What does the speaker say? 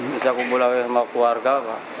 bisa kumpul lagi sama keluarga